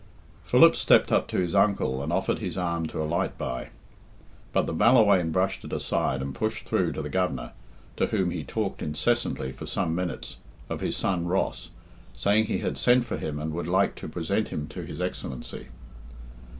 Philip stepped up to his uncle and offered his arm to alight by. But the Ballawhaine brushed it aside and pushed through to the Governor, to whom he talked incessantly for some minutes of his son Ross, saying he had sent for him and would like to present him to his Excellency.